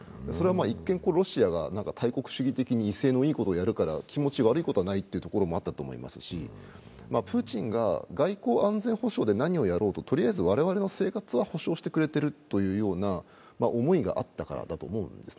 それは一見、ロシアが大国主義的に威勢のいいことをやるから気持ちがいいこともあるし、とりあえずプーチンが外交、安全保障上何をやろうと、とりあえず我々の生活は保障してくれているという思いがあったからだと思うんです。